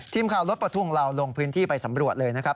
ทีมข่าวรถประทุงเราลงพื้นที่ไปสำรวจเลยนะครับ